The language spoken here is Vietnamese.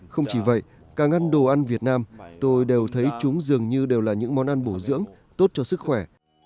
không chỉ vậy càng ăn đồ ăn việt nam tôi đều thấy chúng dường như đều là những món ăn bổ dưỡng tốt cho sức khỏe